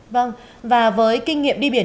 vâng và với kinh nghiệm đi biển